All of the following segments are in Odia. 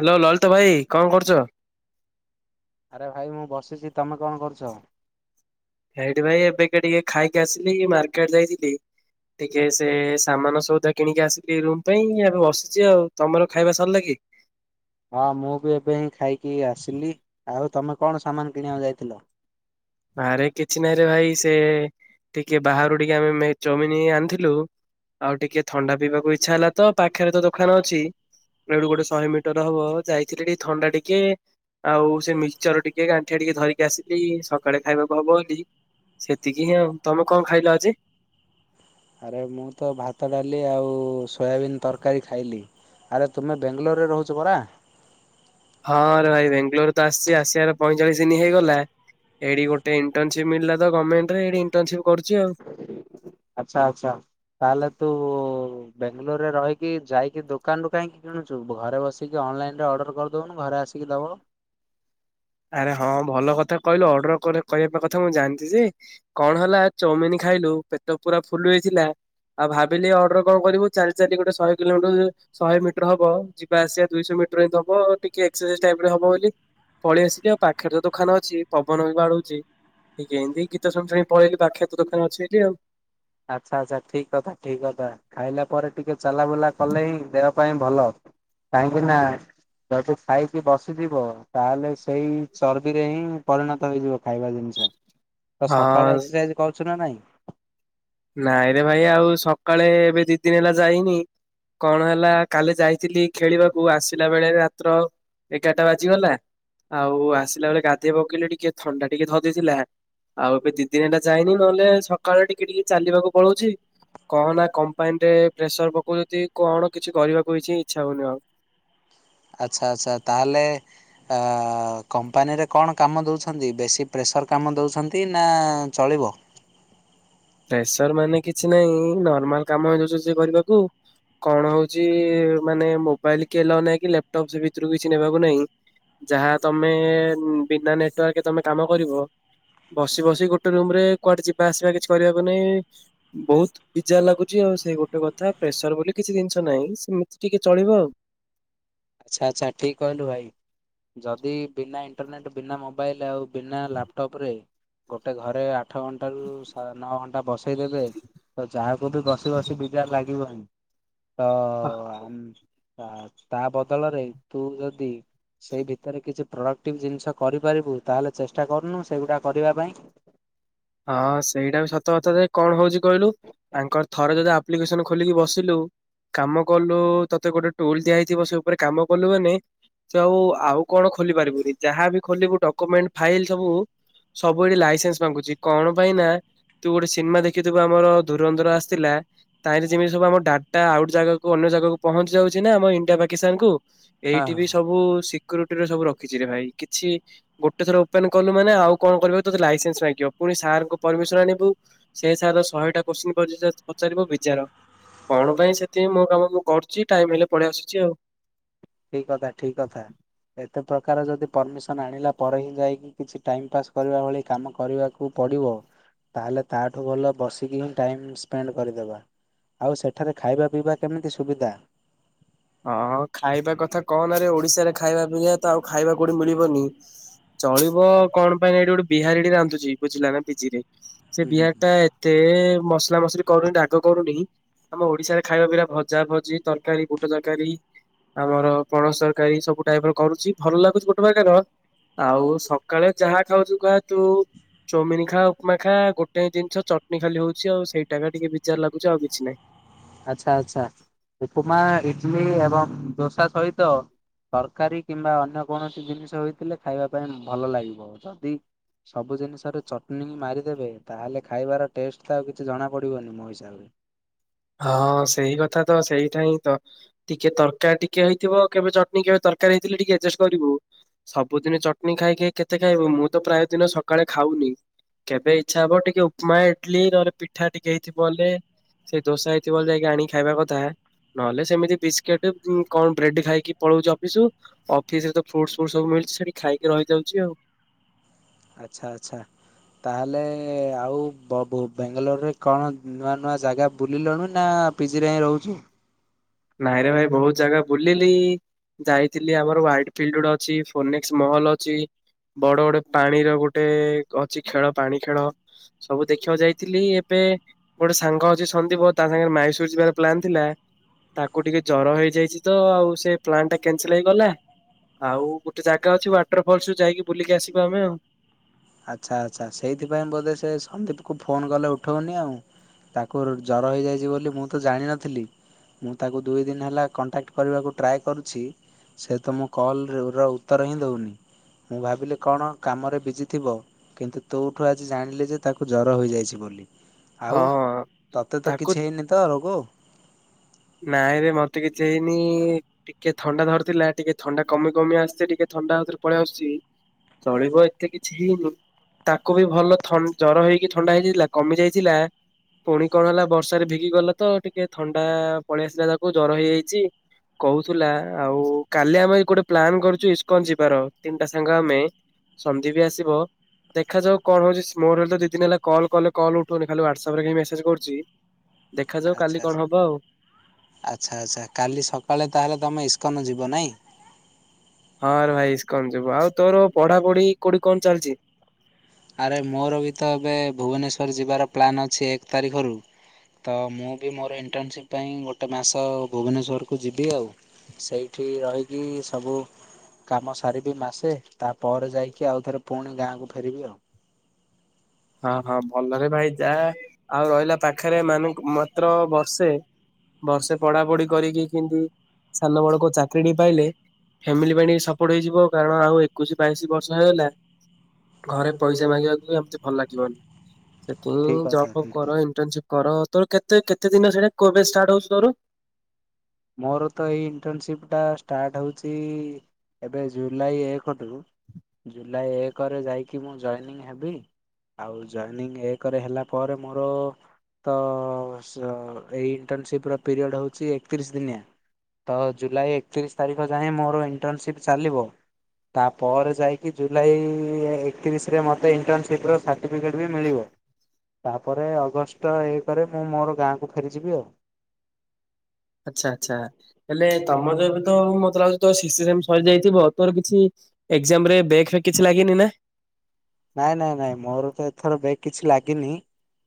ହ୍ୟାଲୋ ଲଳିତ ଭାଇ କଣ କରୁଛ? ଆରେ ଭାଇ ମୁଁ ବସିଛି ତମେ କଣ କରୁଛ? ହେଇଟି ଭାଇ ଏବେ କି ଟିକେ ଖାଇକି ଆସିଲି ମାର୍କେଟ ଯାଇଥିଲି। ଟିକେ ସେ ସାମାନ ସଉଦା କିଣିକି ଆସିକି ରୁମ୍ ପାଇଁ ଏବେ ବସିଛି ଆଉ। ତମର ଖାଇବା ସରିଲା କି? ହ [unintelligible] ହଁ ମୁଁ ବି ଏବେ ହିଁ ଖାଇକି ଆସିଲି। ଆଉ ତମେ କଣ ସାମାନ କିଣିବାକୁ ଯାଇଥିଲ? ଆରେ କିଛି ନାହିଁରେ ଭାଇ ସେ ଟିକେ ବାହାରୁ ଟିକେ ଆମେ ମେ ଚଉମିନି ଆଣିଥିଲୁ। ଆଉ ଟିକେ ଥଣ୍ଡା ପିଇବାକୁ ଇଛା ହେଲା ତ ପାଖେରେ ତ ଦୋକାନ ଅଛି। ଏଇଠୁ ଗୋଟେ ଶହେମିଟର ହବ ଯାଇଥିଲେ ଟିକେ ଥଣ୍ଡା ଟିକେ ଆଉ ସେ ମିକ୍ସଚର ଟିକେ ଗାଣ୍ଠିଆ ଟିକେ ଧରିକି ଆସିଲି। ସ କାଳେ ଖାଇବାକୁ ହବ ବୋଲି ସେତିକି ହିଁ, ଆଉ ତମେ କଣ ଖାଇଲ ଆଜି? ଆରେ ମୁଁତ ଭାତ ଡାଲି ଆଉ ସୋୟାବିିନ ତରକାରୀ ଖାଇଲି। ଆରେ ତୁମେ ବେଙ୍ଗେଲୋରରେ ରହୁଛ ପରା ହଁରେ ଭାଇ ବେଙ୍ଗଲୋର ତ ଆସିଛି ଆସିବାର ହେଇଗଲା ଏଠି ଗୋଟେ ଇଣ୍ଟରସିପି ମିଳିଲାତ ଗମେଣ୍ଟେରେ ଇଣ୍ଟରସିପି ଆଛା ଆଛା ତାହଲେ ତୁ ବେଙ୍ଗେଲୋରରେ ରହିକି ଯାଇକି ଦୋକାନରୁୁ କାହିଁକି କିଣୁଛୁ ଘରେ ବସିକି ଅନଲାଇନ ରେ ଅର୍ଡର କରିଦବଉନୁ ଘରେ ଆସିକି ଦବ [unintelligible] ଆରେ ହଁ ଭଲକଥା କହିଲୁ ଅଡର କରି କହିବାକଥା ଜାଣିଛିଯେ କଣ ହେଲା ଚମିନିଖା ଖାଇଲୁ ପେଟ ପୁରା ଫୁଲୁ ହେଇଥିଲା। ଆଉ ଭାବିଲି ଅର୍ଡର କଣ କରିବୁ ଚାଲି ଚାଲି ଗୋଟେ ଶହେକିଲୋମିଟର ଶହେମିଟର ହବ ଯିବା ଆସିବା ଦୁଇଶହ ମି ହବ ବୋଲି ଟିକିଏ ଏକ୍ସରସାଇଜ ଟାଇପର ହେବ ବୋଲି ପଳେଇ ଆସିଲି ଆଉ ପାଖରେ ରେ ଦୋକାନ ଅଛି ପବନ ବି ବାଡୁଛି। ଏଇ କେମତି ଗୀତ ଶୁଣି ଶୁଣି ପଳେଇଲି ପାଖରେ ତ ଦୋକାନ ଅଛି ଏଇଠି ଆଉ। ଆଛା! ଆଛା! ଠିକ କଥା, ଠିକ କଥା, ଖାଇଲା ପରେ ଟିକେ ଚଲା ବୁଲା କଲେ ହିଁ ଦେହ ପାଇଁ ଭଲ କାହିଁକି ନା ଯଦି ଖାଇକି ବସିଯିବ, ତାହେଲେ ସେଇ ଚର୍ବିରେ ହିଁ ପରିଣତ ହେଇଯିବ ଖାଇବା ଜିନଷ। ତ ହଁ ସକାଳେ ଏକ୍ସରସାଇଜ କରୁଛୁ ନା ନାହିଁ ନାଇଁରେ ଭାଇ ଆଉ ସକାଳେ ଏବେ ଦି ଦିନ ହେଲା ଯାଇନି କଣ ହେଲା କାଲି ଯାଇଥିଲି ଖେଳିବାକୁ ଆସିଲାବେଳେ ରାତ୍ର ଏଗାରଟା ବାଜିଗଲା। ଆଉ ଆସିଲା ବେଳେ ଗାଧେଇ ପକେଇଲି ଟିକେ ଥଣ୍ଡା ଟିକେ ଧରି ଦେଇଥିଲା ଆଉ ଏବେ ଦି ଦିନ ହେଲା ଯାଇନି ନହେଲେ ସକାଳ ଟିକେ ଟିକେ ଚାଲିବାକୁ ପଳଉଛି। କହନା କମ୍ପାନୀରେ ପ୍ରେସର ପକଉଛନ୍ତି କଣ କିଛି କରିବାକୁ କିଛି ଇଛା ହଉନି ଆଉ। [inaudible] ଆଛା ଆଛା ତାହଲେ ଆ କମ୍ପାନୀରେ କଣ କାମ ଦଉଛନ୍ତି ବେଶୀ ପ୍ରେସ ସର କାମ ଦଉଛନ୍ତି ନା ଚଳିବ? ପ୍ରେସର ମାନେ କିଛି ନାହିଁ ନର୍ମାଲ କାମ ଦଉଛନ୍ତି କରିବାକୁ। କଣ ହଉଛି ମାନେ ମୋବାଇଲ କେଲ ନେଇକି ଲାପଟପ ସେ ଭିତରୁ କିଛି ନେବାକୁ ନାହିଁ। ଯାହା ତମେ ବିନା ନେଟୱାର୍କରେ ତମେ କାମ କରିବ। ବସି ବସି ଗୋଟେ ରୁମରେ କୁଆଡେ ଯିବା ଆସିବା କିଛି କରିବାକୁ ନାହିଁ, ବହୁତ ପିଜା ଲାଗୁଛି ଆଉ ସେଇ ଗୋଟେକଥା ପ୍ରେସର ବୋଲି କିଛି ଜିନଷ ନାହିଁ। ଏମିତି ଟିକେ ଚଳିବ ଆଉ। ଆଛା ଆଛା ଠିକ କହିଲୁ ଭାଇ ଯଦି ବିନା ଇଣ୍ଟରନେଟ୍, ବିନା ମୋବାଇଲ, ଆଉ ବିନା ଲାପଟପରେ ଗୋଟେ ଘରେ ଆଠଘଣ୍ଟାରୁ ସା ନଅଘଣ୍ଟା ବସେଇଦେବେ ତ ଯାହାକୁହନ୍ତୁ ବସି ବସି ବିଝାର ଲାଗିବ ହିଁ। ତ ଆଉ। ଆମ୍ ତା ତା ବଦଳରେ ତୁ ଯଦି ସେଇ ଭିତରେ କିଛି ପଡ଼କ୍ଟିଭ୍ ଜିନିଷ କରିପାରିବୁ ତାହେଲେ ଚେଷ୍ଟା କରୁନୁ ସେଗୁଡ଼ା କରିବା ପାଇଁ। ହଁ ସେଇଟା ବି ସତ କଥା ଯେ କଣ ହଉଛି କହିଲୁ, ଆଙ୍କର ଥରେ ଯଦି ଆପ୍ଲିକେସନ ଖୋଲିକି ବସିଲୁ କାମ କଲୁ ତତେ ଗୋଟେ ଟୁଲ ଦିଆ ହେଇଥିବ ସେ ଉପରେ କାମ କଲୁ ମାନେ ସେ ଆଉ ଆଉ କଣ ଖୋଲି ପାରିବୁନି, ଯାହାବି ଖୋଲିବୁ ଡକୁମେଣ୍ଟ ଫାଇଲ ସବୁ ସବୁ ଏଠି ଲାଇସେନ୍ସ ମାଗୁଚି। କଣ ପାଇଁ ନା ତୁ ଗୋଟେ ସିନେମା ଦେଖିଥିବୁ ଆମର ଧୁରନ୍ଧର ଆସଥିଲା। ତାହେଲେ ଯେମିତି ସବୁ ଆମର ଡା ଟା ଆଉ ଗୋଟେ ଜାଗାକୁୁ ଅନ୍ୟ ଜାଗାକୁ ପହଞ୍ଚି ଯାଉଛି ନା ଆମ ଇଣ୍ଡିଆ ପାକିସ୍ତାନକୁ ହଁ ଏଇଠି ହଁ ବି ହଁ। ସବୁ ସି କୁରିଟିର ସବୁ ରଖିଛି ରେ ଭାଇ କିଛି ଗୋଟେ ଥର ଓପେନ କଲୁ ମାନେ ଆଉ କଣ କରିବ ତତେ ଲାଇସେନ୍ସ ମାଗିବ। ପୁଣି ସାରଙ୍କ ପରମିସନ ଆଣିବୁ ସେ ସାରେ ଶହେଟା କ୍ୱଶ୍ଚିନ ପଚା ପଚାରିବ ବିଯାର। କଣ ପାଇଁ, ସେଥିପାଇଁ ମୋ କାମ ମୁଁ କରୁଛି, ଟାଇମ ହେଲେ ପଳେଇ ଆସୁଛି ଆଉ। ଠିକ କଥା ଠିକ କଥା। ଏତେ ପ୍ରକାର ଯଦି ପରମିସନ ଆଣିଲା ପରେ ହିଁ ଯାଇକି କିଛି ଟାଇମ ପାସ୍ କରିବା ଭଳି କାମ କରିବାକୁ ପଡିବ ତାହାଲେ ତା ଠୁ ଭଲ ବସିକି ହିଁ ଟାଇମ ସ୍ପେଣ୍ଡ କରିଦେବା। ଆଉ ସେଠାରେ ଖାଇବା ପିଇବା କେମିତି ସୁବିଧା? ହଁ ଖାଇବା କଥା କହନାରେ ଓଡିଶାରେ ଖାଇବା ପିଇବା ତ ଆଉ ଖାଇବା କୋଉଠି ମିଳିବନି। ଚଳିବ କଣ ପାଇଁ ଏଇଠି ଗୋଟେ ବିହାରୀଟି ରାନ୍ଧୁଛି ବୁଝିଲା ନା ପିଜି ରେ ସେ ହୁଁ ହୁଁ। ବିହାରୀଟା ଏତେ ମସଲା ମସଲି କରୁନି ରାଗ କରୁନି। ଆମ ଓଡିଶାରେ ଖାଇବା ଭଳିଆ ଭଜା ଭଜି ତରକାରୀ ବୁଟ ତରକାରୀ ଆମର ପଣସ ତରକାରୀ ସବୁ ଟାଇପର କରୁଛି ଭଲ ଲାଗୁଛି ଗୋଟେ ପାଗର ଆଉ ସକାଳେ ଯାହା ଖାଉଛୁ ଖା, ତୁ ଚଉମିନି ଖା, ଉପମା ଖା, ଗୋଟେ ଜିନଷ ଚଟନି ଖାଲି ହଉଛି, ଆଉ ସେଇଟା ଟିକେ ବିଜାର ଲାଗୁଛି, ଆଉ କିଛି ନାହିଁ। ଆଚ୍ଛା! ଆଚ୍ଛା! ଉପମା, ଇଟଲି ଏବଂ ଦୋସା ସହିତ ତରକାରୀ କିମ୍ବା ଅନ୍ୟ କୌଣସି ଜିନିଷ ହୋଇଥିଲେ ଖାଇବା ପାଇଁ ଭଲ ଲାଗିବ। ଯଦି ସବୁ ଜିନଷରେ ଚଟନୀ ମାରିଦେବେ ତାହେଲେ ଖାଇବାର ଟେଷ୍ଟ ତ ଆଉ କିଛି ଜଣା ପଡିବନି, ମୋ ହିସାବରେ। ହଁ ସେଇ କଥା ତ, ସେଇଟା ହିଁ ତ। ଟିକେ ତରକାର ଟିକେ ହେଇଥିବ କେବେ ଚଟଣିୀ କେବେ ତରକାରୀ ହେଇଥିଲେ ଟିକେ ଆଡଜଷ୍ଟ କରିବୁ ସବୁଦିନ ଚଟଣୀ ଖାଇକି କେତେ ଖାଇବ ମୁଁ ତ ପ୍ରାୟ ଦିନ ସକାଳେ ଖାଉନି କେବେ ଇଚ୍ଛା ହବ ଟିକେ ଉପମା ଇଡଲି ନହେଲେ ପିଠା ଟିକେ ହେଇଥିବ ବଲେ ସେ ଦୋସା ଏଇ ଥିଵ ବଳେ ଯାଇକି ଆଣି ଖାଇବା କଥା। ନହେଲେ ସେମିତି ବିସ୍କିଟ୍ କଣ ବ୍ରେଡ୍ ଖାଇକି ପଳଉଛି ଅଫିସୁ ଅଫିସରେ୍ ତ ଫ୍ରୁଟ୍ସ ଫ୍ରୁଟ୍ସ ସବୁ ମିଳୁଛି। ସେଠି ଖାଇକି ରହିଯାଉଛି ଆଉ ଆଚ୍ଛା ଆଚ୍ଛା। ତାହେଲେ ଆଉ ବ ବାଙ୍ଗାଲୋରରେ କଣ ନୂଆ ନୂଆ ଜାଗା ବୁଲିଲଣିୁ ନା ପିଜିରେ ହିଁ ରହୁଛି ନାଇଁରେ ଭାଇ ବହୁତ ଜାଗା ବୁଲିଲି ଯାଇଥିଲି ଆମର ୱାଇଟ୍ ଫିଲ୍ଡ୍ ଗୋଟେ ଅଛି, ଫୋନେକ୍ସ ମଲ୍ ଅଛି। ବଡ ଗଡେ ପାଣିର ଗୋଟେ ଅଛି ଖେଳ ପାଣି ଖେଳ ସବୁ ଦେଖିବାକୁ ଯାଇଥିଲି ଏବେ ଗୋଟେ ସାଙ୍ଗ ଅଛି ସନ୍ଦୀପ ତା ସାଙ୍ଗରେ [unintelligible] ମାଇସର ଯିବାର ପ୍ଲାନ୍ ଥିଲା ତାକୁ ଟିକେ ଜର ହେଇଯାଇଛି ତ ଆଉ ସେ ପ୍ଲାନ୍ ଟା କ୍ୟାନସେଲ୍ ହେଇଗଲା। ଆଉ ଗୋଟେ ଜାଗା ଅଛି ୱାଟର୍ [unintelligible] ଫଲସୁ ଯାଇକି ବୁଲିକି ଆସିବା ଆମେ ଆଉ। ଆଚ୍ଛା ଆଛା ସେଇଥିପାଇଁ ବୋଧେ ସେ ସନ୍ଦୀପ କୁ ଫୋନ କଲେ ଉଠଉନି ଆଉ ତାକୁ ଜର ହେଇଯାଇଛି ବୋଲି ମୁଁ ତ ଜାଣିନଥିଲି। ମୁଁ ତାକୁ ଦୁଇ ଦିନ ହେଲା କଣ୍ଟାକ୍ଟ୍ କରିବାକୁ ଟ୍ରାଏ କରୁଛି। ସେ ତ ମୁଁ କଲ୍ ର ଉତ୍ତର ହିଁ ଦଉନି ମୁଁ ଭାବିଲି କଣ କାମରେ ବିଜି ଥିବ କିନ୍ତୁ ତୋଠୁ ଆଜି ଜାଣିଲେ ଯେ ତାକୁ ଜର ହୋଇଯାଇଛି ବୋଲି। ଆଉ ହଁ ତୋତେ ତ ତାକୁ କିଛି ହେଇନି ତ ରୋଗ ନାଇଁରେ ମତେ କିଛି ହେଇନି ଟିକେ ଥଣ୍ଡା ଧରିଥିଲା, ଟିକେ ଥଣ୍ଡା କମି କମି ଆସୁଛିେ ଟିକେ ଥଣ୍ଡା ଆଉଥରେ ପଳେଇ ଆସୁଛି, ଚଳିବ ଏତେ କିଛି ହେଇନି ତାକୁ ବି ଭଲ ଥ ଜର ହେଇକି ଥଣ୍ଡା ହେଇଯାଇଥିଲା କମି ଯାଇଥିଲା ପୁଣି କଣ ହେଲା ବର୍ଷାରେ ଭିଗି ଗଲା ତ ଟିକେ ଥଣ୍ଡା ପଳେଇ ଆସିଲା ତାକୁ ଜର ହେଇଯାଇଛି କହୁଥିଲା ଆଉ କାଲି ଆମେ ଗୋଟେ ପ୍ଲାନ କରୁଛୁ ଇସ୍କନ୍ ଯିବାର ତିନିଟା ସାଙ୍ଗ ଆମେ ସନ୍ନ୍ଦିପ୍ ବି ଆସିବ। ଦେଖାଯାଉ କଣ ହଉ ମୋର ହେଲେ ତ ଦି ଦିନ ହେଲା କଲ କଲେ କଲ ଉଠୁଉନି ଖାଲି ହ୍ୱାଟସଆପ୍ ରେ ମେସେଜ କରୁଛି। ଦେଖାଯାଉ ଆଚ୍ଛା କାଲି କଣ ହବ ଆଉ ଆଚ୍ଛା ଆଚ୍ଛା କାଲି ସକାଳେ ତାହେଲେ ତମେ ଇସ୍କନ୍ ଯିବ, ନାହିଁ? ହଁ ରେ ଭାଇ ଇସ୍କନ୍ ଯିବୁ ଆଉ ତୋର ପଢାପଢି କୋଉଠି କଣ ଚାଲିଛି? ଆରେ ମୋର ବି ତ ଏବେ ଭୁବନେଶୂର ଯିବାର ପ୍ଲାନ୍ ଅଛି ଏକ ତାରିଖରୁ ତ ମୁଁ ବି ମୋର ଇଣ୍ଟର୍ନସିପ୍ ପାଇଁ ଗୋଟେ ମାସ ଭୁବନେଶ୍ଵରକୁ ଯିବି ଆଉ। ସେଇଠି ରହିକି ସବୁ କାମ ସାରିବି ମାସେ ତାପରେ ଯାଇକି ଆଉଥରେ ପୁଣି ଗାଁକୁ ଫେରିବି ଆଉ। ହଁ ହଁ ଭଲରେ ଭାଇ ଯାହା ଆଉ ରହିଲା ପାଖରେ ମାନେ ମାତ୍ର ବର୍ଷେ ବର୍ଷେ ପଢାପଢି କରିକି କେମତି ସାନ ବଳକୁ ଚାକିରିୀଟି ପାଇଲେ ଫ୍ୟାମିଲି ପାଇଁ ଟିକେ ସପୋର୍ଟ ହେଇଯିବ କାରଣ ଆଉ ଏକୋଇଶି ବାଇଶି ବର୍ଷ ହେଇଗଲା ଘରେ ପଇସା ମାଗିବାକୁ ଆମ ଭଲ ଲାଗିବନି ଠିକ୍ ସେଥିପାଇଁ ଜବ୍ କଥା ଫବ୍ ଠିକ୍ କଥା କର ଇଣ୍ଟର୍ନସିପ୍ କର। ତୋ କେତେ କେତେ ଦିନ ସେଟା କୋବେ ଷ୍ଟାର୍ଟ ହଉଛି ତୋର? ମୋର ତ ଏଇ ଇଣ୍ଟରନସିପ ଟା ଷ୍ଟାଟ୍ ହଉଛି ଜି ଏବେ ଜୁଲାଇ ଏକରୁୁ ଜୁଲାଇ ଏକରେ ଯାଇକି ମୁଁ ଜଏନିଂ ହେବି। ଆଉ ଜଏନିଂ ଏକରେ ହେଲା ପରେ ମୋର ତ ଏଇ ଇଣ୍ଟରନ୍ସିପ୍ ର ପିରିୟଡ଼ ହଉଛି ଏକତିରିଶ ଦିନିଆ ତ ଜୁଲାଇ ଏକତିରିଶ ତାରିଖ ଯାଏଁ ମୋର ଇଣ୍ଟର୍ନସିପ୍ ଚାଲିବ। ତାପରେ ଯାଇକି ଜୁଲାଇ ଏକତିରିଶରେ ମତେ ଇଣ୍ଟରନ୍ସିପ୍ ର ସାଠିଫିକଟ ଟିକଟ୍ ବି ମିଳିବ। ତାପରେ ଅଗଷ୍ଟ ଏକ୍ରେ ମୁଁ ମୋର ଗାଁକୁ ଫେରିଯିବି ଆଉ। ଆଚ୍ଛା ଆଚ୍ଛା ହେଲେ ତମର ତ ମତେ ଲାଗୁଛି ତ ସରି ଯାଇଥିବ ତୋର କିଛି ଏଜାମ ରେ ବେ ଫେ କିଛି ଲାଗନି ନା? [inaudible] ନାଇଁ ନାଇଁ ନାଇଁ ମୋର ତ ଏଥର ବ୍ୟାକ୍ କିଛି ଲାଗିନି।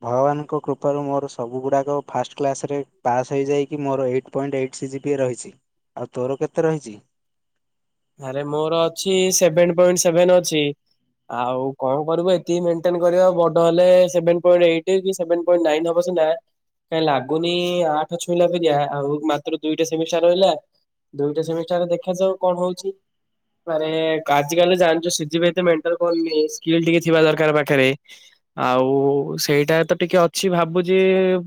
ଭଗବାନଙ୍କ କୃପାରୁ ମୋର ସବୁ ଗୁଡାକ ଫାଷ୍ଟ କ୍ଲାସ ରେ ପାସ୍ ହେଇଯାଇକି ମୋର ଏଇଟ୍ ପଏଣ୍ଟ ଏଇଟ୍ ପି ରହିଛି ଆଉ ତୋର କେତେ ରହିଛି? ଆରେ ମୋର ଅଛି ସେଭେନ ପଣ୍ଟ ସେଭେନ ଅଛି। ଆଉ କଣ କରିବୁ ଏତିକି ମେଣ୍ଟେନ କରିବା ବଡ ହେଲେ ସେଭନ ପଏଣ୍ଟ ଏଇଟ କିଣ୍ ନାଇ ହବ। କାଇଁ ଲାଗୁନି ଆଠ ଛୁଇଁଲା ପ ଆଉ ମାତ୍ର ଦୁଇଟା ସେମି ରହିଲା। ଦୁଇଟା ସେମିାରେ ଦେଖାଯାଉ କଣ ହଉଛି। ଆଜିିକାଲି ଜାଣିଛୁପ [unintelligible] ମେନଟେନ କରନି ସ୍କିଲ ଟିକେ ଥିବା ଦରକାର ପାଖରେ ଆଉ ସେଇଟା ତ ଟିକେ ଅଛି ଭାବୁଛି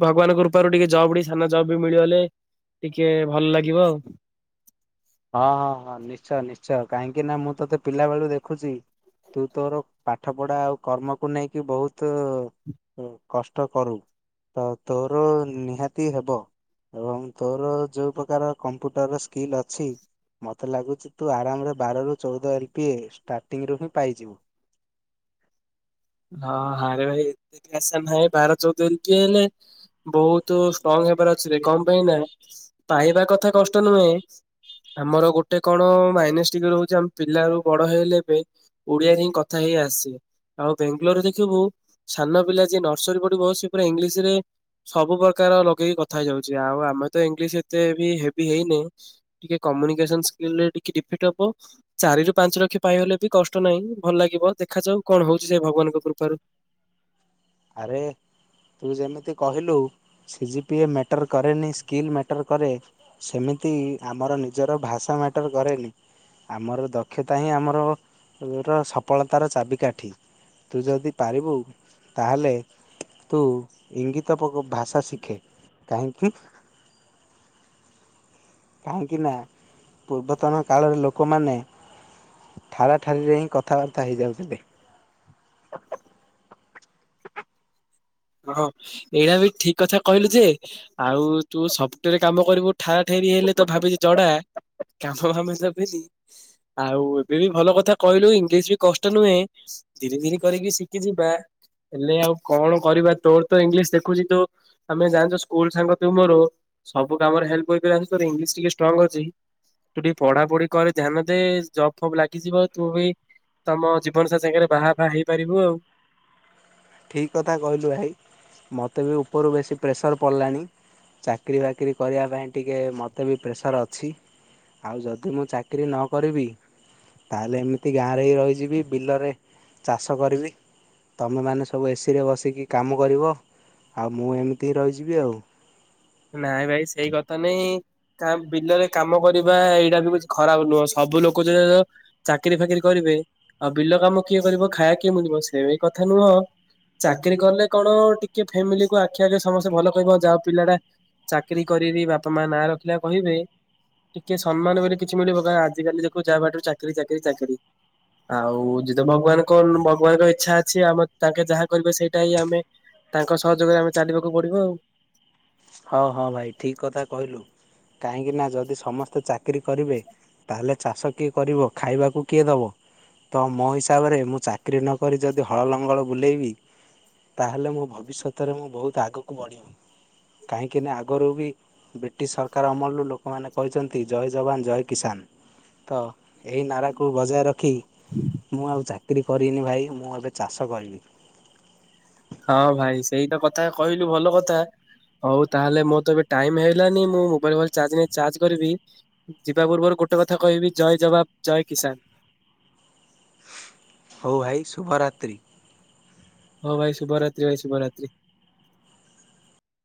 ଭଗବାନଙ୍କ କୃପାରୁ ଟିକେ ଜବ୍ ଟ ସାନ ଜବ୍ ବି ମିଳିବ ଗଲେ ଟିକେ ଭଲ ଲାଗିବ ଆଉ ହଁ ହଁ ହଁ ନିଶ୍ଚୟ ନିଶ୍ଚୟ କାହିଁକି ନା ମୁଁ ତୋତେ ପିଲାବେେଳକୁ ଦେଖୁଛି। ତୁ ତୋର ପାଠ ପଢା ଆଉ କର୍ମକୁ ନେଇକି ବହୁତ କଷ୍ଟ କରୁ ତ ତୋର ନିହାତି ହବ। ଏବଂ ତୋର ଯୋଉ ପ୍ରକାର କମ୍ପ୍ୟୁଟର ସ୍କିଲ୍ ଅଛି। ମତେ ଲାଗୁଛି ତୁ ଆରାମରେ ବାର ରୁ ଚଉଦ ଏଲ ପି ଷ୍ଟାର୍ଟିଂ ରୁ ହିଁ ପାଇଯିବୁ। ହଁ ହରେ ଭାଇ ଏତେସ ନାଁ ବାର ଚଉଧ ଏମିତ ହେଲେ ବହୁତ ଷ୍ଟ୍ରଙ୍ଗ ହେବାର ଅଛି କଣ ପାଇଁ ନା ପାଇବା କଥା କଷ୍ଟ ନୁହେଁ? ଆମର ଗୋଟେ କଣ ମାଇନସ ଡିଗ୍ରୀ ରହୁଛି ଆମ ପିଲ ର ବଡ ହେଇଲେ ଏବେ ଓଡିଆରେ ହିଁ କଥା ହେଇ ଆସେ ଆଉ ବେଙ୍ଗାଲୋରରେ ଦେଖିବୁ ସାନ ପିଲା ଯିଏ ନର୍ସରୀ ପଢିବ ସେ ପୁରା ଇଂଲିଶ ରେ ସବୁ ପ୍ରକାର ଲଗେଇକି କଥା ହେଇଯାଉଛି ଆଉ ଆମେ ତ ଇଂଲିଶ ଏତେ ବି ହେଭି ହେଇନି ଟିକେ ଚାରି ପାଞ୍ଚ ଲକ୍ଷ ପାଇଲେ ବି କଷ୍ଟ ନା ଭଲ ଲାଗିବ। ଦେଖାଯାଉ କଣ ହଉଛି ସେ ଭଗବାନଙ୍କ କୃପାରୁ ଆରେ ତୁ ଯେମିତି କହିଲୁ ସିଜି ପି ଏ ମଟର କରେନି ସ୍କିଲ୍ ମେଟର କରେ ସେମିତି ମତି ଆମର ନିଜର ଭାଷା ମଟର କରେନି ଆମର ଦକ୍ଷତା ହିଁ ଆମର ର ସଫଳତାର ଚାବିକାଠି। ତୁ ଯଦି ପାରିବୁ ତାହେଲେ ତୁ ଇଙ୍ଗିତ ଭାଷା ଶିଖେ କାହିଁକି? କାହିଁକି ନା ପୂର୍ବତନ କାଳରେ ଲୋକମାନେ? ଠାରାଠାରିରେ ହିଁ କଥାବାର୍ତ୍ତା ହେଇଯାଉଥିଲେ। ହଁ ଏଇଟା ବି ଠିକ କଥା କହିଲୁ ଯେ ଆଉ ତୁ ସଫ୍ଟୱାରେ କାମ କରିବୁ ଠାରା ଠେରି ହେଲେ ତ ଭାବିଛି ଜଡା। କାମ ଫାମ୍ ଦେବେନି ଆଉ ଏବେ ବି ଭଲ କଥା କହିଲୁ ଇଂଲିଶ ବି କଷ୍ଟ ନୁହେଁ। ଧୀରେ ଧିରେ କରିକି ଶିଖି ଯିବା ହେଲେ ଆଉ କଣ? କରିବା ତୋର ତ ଇଂଲିଶ ଦେଖୁଛି ତୁ ଆମେ ଜାଣିଛୁ ସ୍କୁଲ ସାଙ୍ଗ ତୁ ମୋର ସବୁ କାମରେ ହେଲ୍ପ କ ମୁଁ ଜାଣିଛି ତୋର ଇଂଲିଶ ଟିକେ ଷ୍ଟ୍ରଙ୍ଗ୍ ଅଛି। ତୁ ଟିକେ ପଢାପଢି କରେ, ଧ୍ୟାନ ଦେ, ଜବ୍ ଫବ୍ ଲାଗିଯିବ ତୁ ବି ତୋମ ଜୀବନ [unintelligible] ସାଙ୍ଗରେ ବାହା ଫାହା ହେଇପାରିବୁ ଆଉ। ଠିକ କଥା କହିଲୁ ଭାଇ। ମୋତେ ବି ଉପରୁ ବେଶୀ ପ୍ରେସର୍ ପଡ଼ିଲାଣି। ଚାକିରି ବାକିରି କରିବା ପାଇଁ ଟିକେ ମୋତେ ବି ପ୍ରେସର୍ ଅଛି। ଆଉ ଯଦି ମୁଁ ଚାକିରି ନ କରିବି ତାହେଲେ ଏମିତି ଗାଁରେ ହିଁ ରହିଯିବି। ବିଲରେ ଚାଷ କରିବି। ତୋମେ ମାନେ ସ ସବୁ ଏ ସି ରେ ବସିକି କାମ କରିବ। ଆଉ ମୁଁ ଏମିତି ହିଁ ରହିଯିବି ଆଉ। ନାଇଁ ଭାଇ ସେଇ କଥା ନାଇଁ କା- ବିଲରେ କାମ କରିବା ଏଇଟା ବି କିଛି ଖରାପ ନୁହଁ। ସ ସବୁ ଲୋକ ଯେ ଯୋ ଚାକିରି ଫାକିରି କରିବେ ଆଉ ବିଲ କାମ କିଏ କରିବ ଖାଇବା କିଏ ମିଳିବ ସେଇ କଥା। ନୁହଁ, ଚାକିରି କଲେ କଣ ଟିକେ ଫେମିଲି କୁ ଆଖି ଆଗରେ ସମସ୍ତେ ଭଲ କହିବ ଯାହା ହଉ ପିଲା ଟା ଚାକିରି କରି ବି ବାପା ମା ନାଁ ରଖିଲା କହିବେ। ଟିକେ ସମ୍ମାନ ବୋଲି କିଛି ମିଳିବ। କାଇଁ ଆଜିକାଲି ଦେଖୁ ଯାହା ପାଟିରୁ ଚାକିରି, ଚାକିରି, ଚାକିରି। ଆଉ ଯିତ ଭଗବାନ କଣ ଭଗବାନଙ୍କ ଇଚ୍ଛା ଅଛି ଆମ ତାଙ୍କେ ଯାହା କରିବେ ସେଇଟା ହିଁ ଆମେ ତାଙ୍କ ସହଯୋଗରେ ଆମେ ଚାଲିବାକୁ ପଡିବ ଆଉ। ହଁ, ହଁ ଭାଇ ଠିକ କଥା କହିଲୁ। କାହିଁକି ନା ଯଦି ସମସ୍ତେ ଚାକିରି କରିବେ। ତାହେଲେ ଚାଷ କିଏ କରିବ? ଖାଇବାକୁ କିଏ ଦବ? ତ ମୋ ହିସାବରେ ମୁଁ ଚାକିରି ନକରି। ଯଦି ହଳ ଲଙ୍ଗଳ ବୁଲେଇବି ତାହାଲେ ମୋ ଭବିଷ୍ୟତରେ ମୁଁ ବହୁତ ଆଗକୁ ବଢିବି। କାହିଁକିନା ଆଗରୁ ବି ବ୍ରିଟିଶ ସରକାର ଅମଳରୁ ଲୋକମାନେ କହିଚନ୍ତି ଜୟ ଯବାନ୍, ଜୟ କିଷାନ୍। ତ ଏଇ ନାରାକୁ ବଜାୟ ରଖି। ମୁଁ ଆଉ ଚା କିରି କରିନି ଭାଇ ମୁଁ ଏବେ ଚାଷ କରିବି। ହଁ ଭାଇ ସେଇ ତ କଥା କହିଲୁ ଭଲ କଥା। ହଉ ତାହେଲେ ମୋର ତ ଏବେ ଟାଇମ୍ ହେଲାନି ମୁଁ ମୋବାଇଲ୍ ଫୋବାଇଲ ଚାର୍ଜ ନାହିଁ, ଚାର୍ଜ କରିବି। ଯିବା ପୂର୍ବରୁ କ ଗୋଟେ କଥା କହିବି ଜୟ ଜବାବ, ଜୟ କିଷାନ୍। ହଉ ଭାଇ ଶୁଭରାତ୍ରି। ହଁ ଭାଇ ଶୁଭରାତ୍ରି ଭାଇ, ଶୁଭରାତ୍ରି।